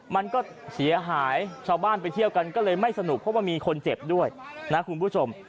มันก็เสียหายชาวบ้านไปเที่ยวกันก็เลยไม่สนุกเพราะว่ามีคนเจ็บด้วยนะคุณผู้ชม